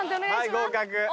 合格。